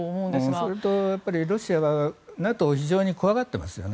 それと、ロシアはＮＡＴＯを非常に怖がっていますよね。